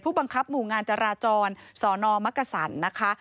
ผู้บังคับหมู่งานจราจรสอนอมกษันนะคะ